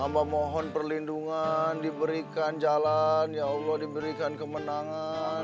tambah mohon perlindungan diberikan jalan ya allah diberikan kemenangan